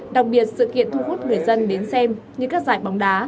đặc biệt sự kiện thu hút người dân đến xem như các giải bóng đá